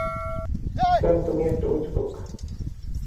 স্ট্যান তুমি একটা উজবুক।